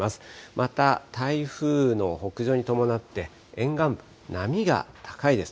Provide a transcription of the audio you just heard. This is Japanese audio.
また、台風の北上に伴って、沿岸部、波が高いです。